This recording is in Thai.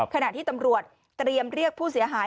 ขณะที่ตำรวจเตรียมเรียกผู้เสียหาย